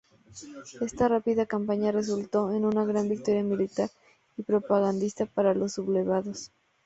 Esta rápida campaña resultó en una gran victoria militar y propagandística para los sublevados.